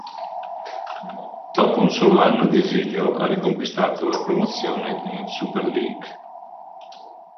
Dopo un solo anno di esilio ha riconquistato la promozione in Super League.